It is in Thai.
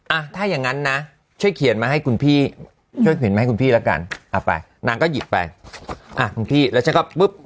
อ่ะถ้ายังงันนะช่วยเขียนมาให้คุณพี่ใส่กาลเราไปนางก็หยิบไปพี่แล้วจะบึ๊บ